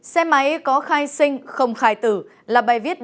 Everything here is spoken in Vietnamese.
xe máy có khai sinh không khai tử